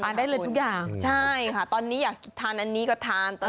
ได้เลยทุกอย่างใช่ค่ะตอนนี้อยากทานอันนี้ก็ทาน